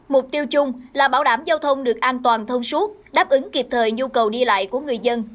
mục tiêu chung là bảo đảm giao thông được an toàn thông suốt đáp ứng kịp thời nhu cầu đi lại của người dân